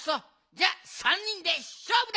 じゃ３にんでしょうぶだ！